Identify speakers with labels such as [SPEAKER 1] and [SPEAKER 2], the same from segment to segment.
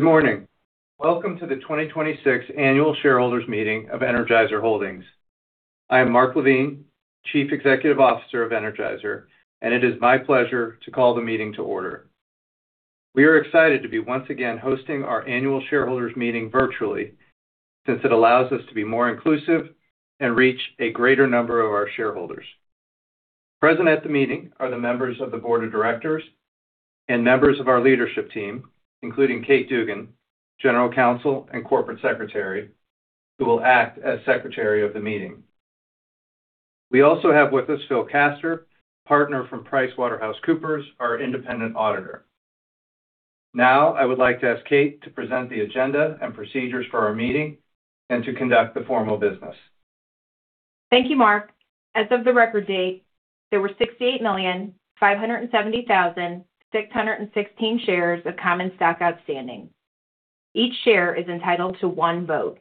[SPEAKER 1] Good morning. Welcome to the 2026 Annual Shareholders Meeting of Energizer Holdings. I am Mark Lavigne, Chief Executive Officer of Energizer, and it is my pleasure to call the meeting to order. We are excited to be once again hosting our annual shareholders meeting virtually, since it allows us to be more inclusive and reach a greater number of our shareholders. Present at the meeting are the members of the Board of Directors and members of our leadership team, including Kate Dugan, General Counsel and Corporate Secretary, who will act as Secretary of the meeting. We also have with us Phil Kaster, partner from PricewaterhouseCoopers, our independent auditor. Now, I would like to ask Kate to present the agenda and procedures for our meeting and to conduct the formal business.
[SPEAKER 2] Thank you, Mark. As of the record date, there were 68,570,616 shares of common stock outstanding. Each share is entitled to one vote.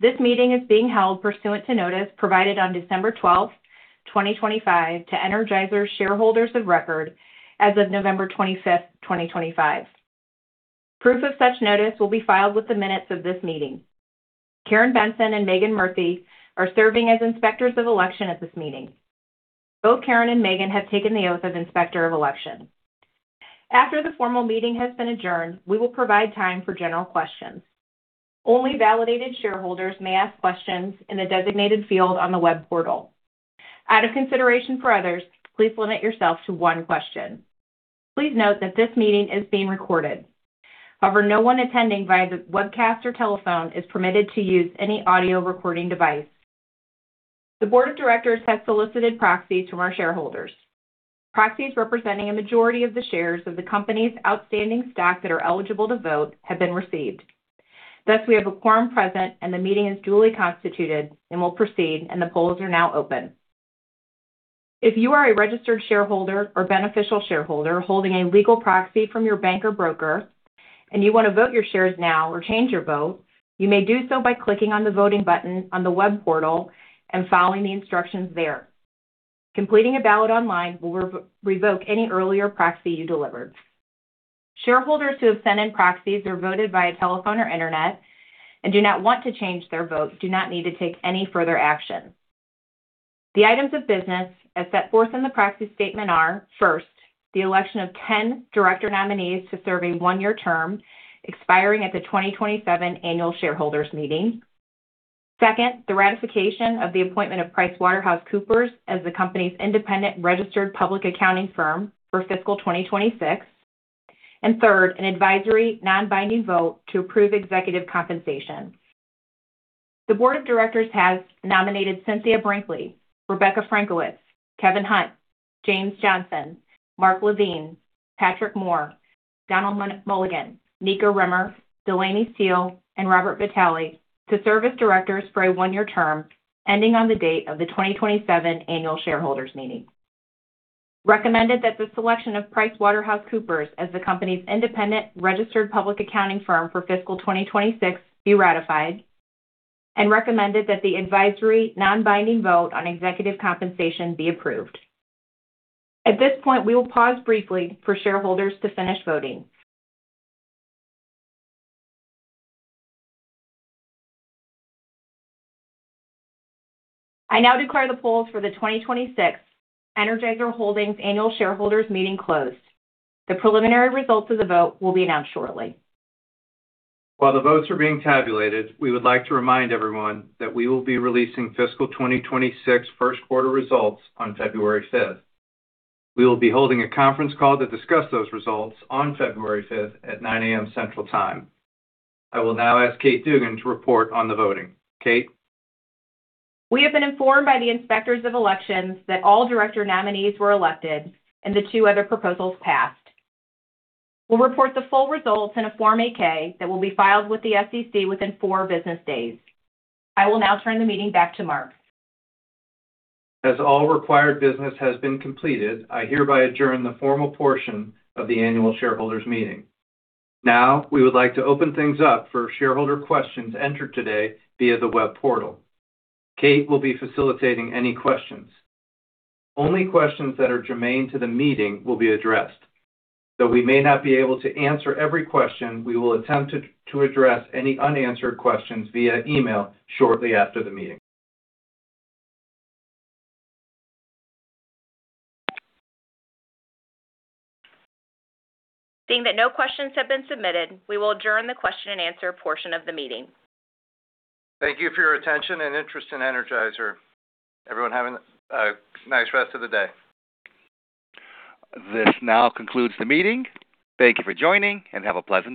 [SPEAKER 2] This meeting is being held pursuant to notice provided on December 12, 2025, to Energizer's shareholders of record as of November 25, 2025. Proof of such notice will be filed with the minutes of this meeting. Karen Benson and Megan Murphy are serving as Inspectors of Election at this meeting. Both Karen and Megan have taken the oath of Inspector of Election. After the formal meeting has been adjourned, we will provide time for general questions. Only validated shareholders may ask questions in the designated field on the web portal. Out of consideration for others, please limit yourself to one question. Please note that this meeting is being recorded. However, no one attending via the webcast or telephone is permitted to use any audio recording device. The Board of Directors has solicited proxies from our shareholders. Proxies representing a majority of the shares of the company's outstanding stock that are eligible to vote have been received. Thus, we have a quorum present, and the meeting is duly constituted and will proceed, and the polls are now open. If you are a registered shareholder or beneficial shareholder holding a legal proxy from your bank or broker, and you want to vote your shares now or change your vote, you may do so by clicking on the voting button on the web portal and following the instructions there. Completing a ballot online will revoke any earlier proxy you delivered. Shareholders who have sent in proxies or voted via telephone or internet and do not want to change their vote do not need to take any further action. The items of business, as set forth in the proxy statement are, first, the election of 10 director nominees to serve a 1-year term expiring at the 2027 Annual Shareholders Meeting. Second, the ratification of the appointment of PricewaterhouseCoopers as the company's independent registered public accounting firm for fiscal 2026. And third, an advisory non-binding vote to approve executive compensation. The Board of Directors has nominated Cynthia Brinkley, Rebecca Frankiewicz, Kevin Hunt, James Johnson, Mark Lavigne, Patrick Moore, Donal Mulligan, Nneka Rimmer, Delaney Steele, and Robert Vitale to serve as directors for a 1-year term ending on the date of the 2027 Annual Shareholders Meeting. Recommended that the selection of PricewaterhouseCoopers as the company's independent registered public accounting firm for fiscal 2026 be ratified and recommended that the advisory non-binding vote on executive compensation be approved. At this point, we will pause briefly for shareholders to finish voting. I now declare the polls for the 2026 Energizer Holdings Annual Shareholders Meeting closed. The preliminary results of the vote will be announced shortly.
[SPEAKER 1] While the votes are being tabulated, we would like to remind everyone that we will be releasing fiscal 2026 first quarter results on February 5. We will be holding a conference call to discuss those results on February 5 at 9:00 A.M. Central Time. I will now ask Kate Dugan to report on the voting. Kate?
[SPEAKER 2] We have been informed by the Inspectors of Election that all director nominees were elected and the two other proposals passed. We'll report the full results in a Form 8-K that will be filed with the SEC within four business days. I will now turn the meeting back to Mark.
[SPEAKER 1] As all required business has been completed, I hereby adjourn the formal portion of the Annual Shareholders Meeting. Now, we would like to open things up for shareholder questions entered today via the web portal. Kate will be facilitating any questions. Only questions that are germane to the meeting will be addressed. Though we may not be able to answer every question, we will attempt to address any unanswered questions via email shortly after the meeting.
[SPEAKER 2] Seeing that no questions have been submitted, we will adjourn the question and answer portion of the meeting.
[SPEAKER 1] Thank you for your attention and interest in Energizer. Everyone have a nice rest of the day.
[SPEAKER 3] This now concludes the meeting. Thank you for joining, and have a pleasant day.